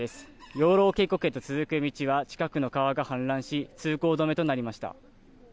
養老渓谷へと続く道は近くの川が氾濫し通行止めとなりました。